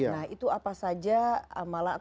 nah itu apa saja